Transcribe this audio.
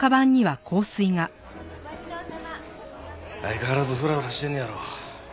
相変わらずフラフラしてんのやろ？